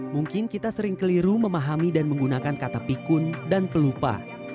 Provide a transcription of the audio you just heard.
mungkin kita sering keliru memahami dan menggunakan kata pikun dan pelupa